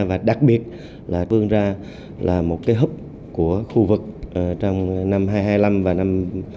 và đặc biệt là phương ra là một hấp của khu vực trong năm hai nghìn hai mươi năm và năm hai nghìn ba mươi